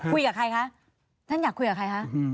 คุยกับใครคะ